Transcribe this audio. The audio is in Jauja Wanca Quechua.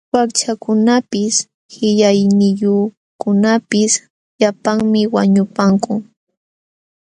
Wakchakunapis qillayniyuqkunapis llapanmi wañupakun.